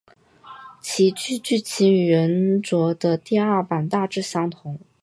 其剧剧情与原着的第二版大致相同。